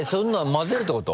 混ぜるってこと？